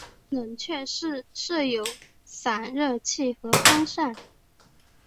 冷却室内设有散热器和风扇。